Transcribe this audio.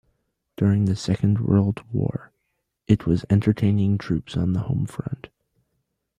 During the Second World War it was entertaining troops on the home front.